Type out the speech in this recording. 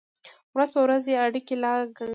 ورځ په ورځ یې اړیکې لا ګنګل کېږي.